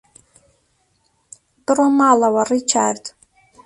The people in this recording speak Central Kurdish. بڕۆ ماڵەوە، ڕیچارد.